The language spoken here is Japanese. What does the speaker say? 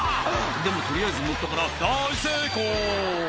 「でも取りあえずのったから大成功」